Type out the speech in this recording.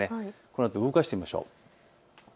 このあと動かしてみましょう。